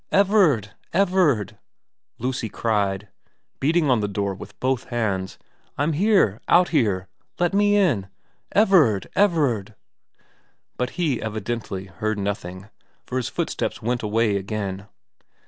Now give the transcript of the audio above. ' Everard ! Everard !' Lucy cried, beating on the door with both hands, ' I'm here out here let me in Everard I Everard !' But he evidently heard nothing, for his footsteps went away again.